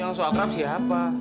yang sok akrab siapa